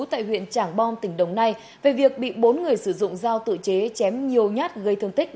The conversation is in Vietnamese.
tại huyện trảng bom tỉnh đồng nai về việc bị bốn người sử dụng dao tự chế chém nhiều nhát gây thương tích